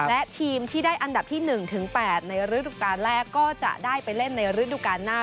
และทีมที่ได้อันดับที่๑๘ในฤทธิ์ดุกรรมแรกก็จะได้ไปเล่นในฤทธิ์ดุกรรมหน้า